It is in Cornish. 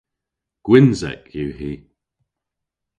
Gwynsek yw hi.